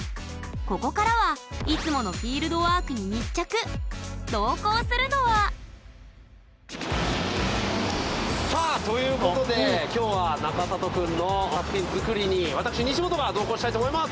ここからはいつもの同行するのはさあということで今日は中里くんの作品作りに私西本が同行したいと思います！